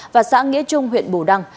và xã nghĩa trung huyện bù đăng